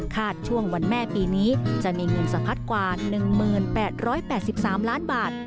ช่วงวันแม่ปีนี้จะมีเงินสะพัดกว่า๑๘๘๓ล้านบาท